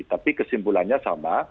tapi kesimpulannya sama